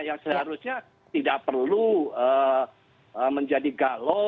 yang seharusnya tidak perlu menjadi galau